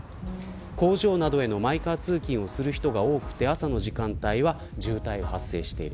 工場などへのマイカー通勤をする人が多く朝の時間帯は渋滞が発生している。